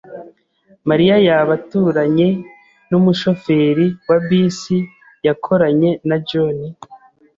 Mariya yaba aturanye numushoferi wa bisi yakoranye na John?